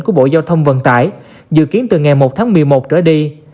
của bộ giao thông vận tải dự kiến từ ngày một tháng một mươi một trở đi